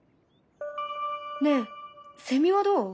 ねえセミはどう？